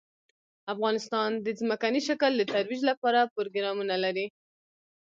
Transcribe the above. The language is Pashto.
افغانستان د ځمکنی شکل د ترویج لپاره پروګرامونه لري.